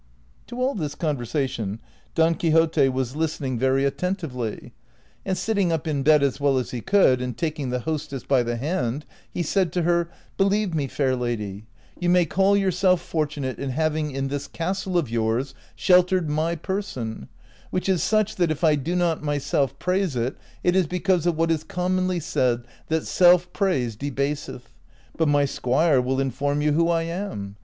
To all this conversation Don Quixote was listening very 104 DON QUIXOTE. attentively, and sitting up in bed as well as he could, and taking the hostess by the hand he said to her, " Believe me, fair lady, you may call yourself fortunate in having in this castle of yours sheltered my person, which is such that it I do not myself praise it, it is because of what is commonly said, that self praise debaseth ;^ but my squire Avill inform you who I am.